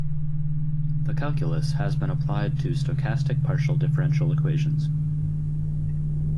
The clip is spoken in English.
The calculus has been applied to stochastic partial differential equations.